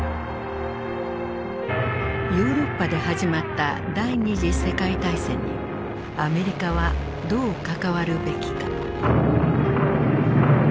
ヨーロッパで始まった第二次世界大戦にアメリカはどう関わるべきか。